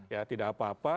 ya tidak apa apa